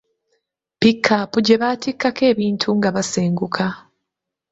Pikaapu gye baatikako ebintu nga basenguka.